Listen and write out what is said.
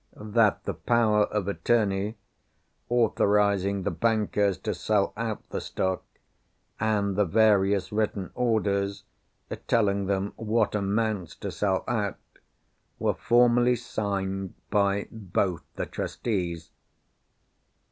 That the power of attorney, authorising the bankers to sell out the stock, and the various written orders telling them what amounts to sell out, were formally signed by both the Trustees.